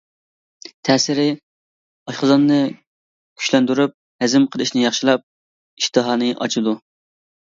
تەسىرى: ئاشقازاننى كۈچلەندۈرۈپ، ھەزىم قىلىشنى ياخشىلاپ، ئىشتىھانى ئاچىدۇ.